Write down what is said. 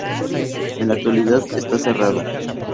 En la actualidad está cerrada.